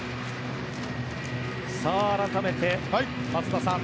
改めて松田さん